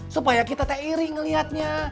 supaya kita tak iri ngeliatnya